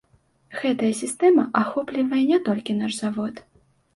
Гэтая сістэма ахоплівае не толькі наш завод.